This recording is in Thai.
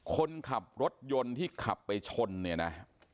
คนขับรถยนต์ที่ขับไปชนเนี่ยนะ